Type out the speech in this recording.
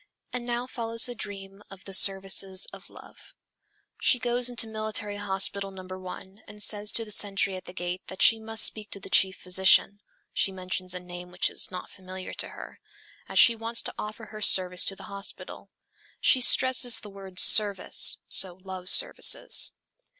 And now follows the dreams of the "services of love." "She goes into Military Hospital No. 1, and says to the sentry at the gate, that she must speak to the chief physician ... (she mentions a name which is not familiar to her), as she wants to offer her service to the hospital. She stresses the word 'service,' so love services.